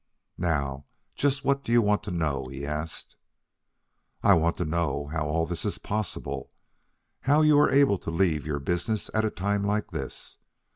"Now just what do you want to know?" he asked. "I want to know how all this is possible? How you are able to leave your business at a time like this?